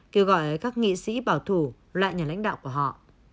kêu gọi các nghị sĩ bảo thủ loại nhà lãnh đạo của họ